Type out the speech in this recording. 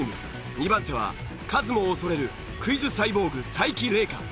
２番手はカズも恐れるクイズサイボーグ才木玲佳。